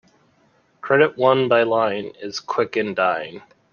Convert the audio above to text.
Credit won by lying is quick in dying.